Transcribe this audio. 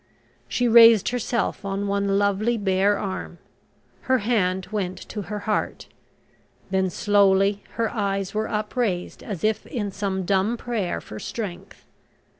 She raised herself on one lovely bare arm, her hand went to her heart, then slowly her eyes were upraised as if in some dumb prayer for strength.